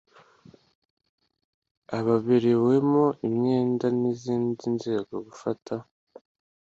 ababerewemo imyenda n izindi nzego gufata